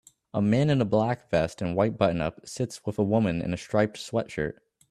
A man in a black vest and white buttonup sits with a woman in a striped sweatshirt